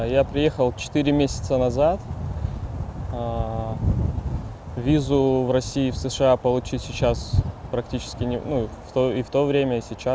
ketika itu sekarang hampir tidak bisa semua pasur pasur tersebut terkunci